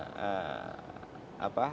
terus kita undang